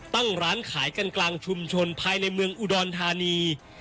ตั้งร้านขายกันกลางชุมชนภายในเมืองอุดรธานี